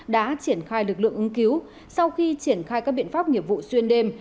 đã triển khai lực lượng ứng cứu sau khi triển khai các biện pháp nghiệp vụ xuyên đêm